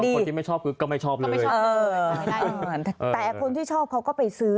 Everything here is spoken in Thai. คนที่ไม่ชอบก็ไม่ชอบเลยแต่คนที่ชอบเขาก็ไปซื้อ